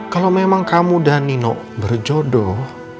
kalau memang kamu dan nino berjodoh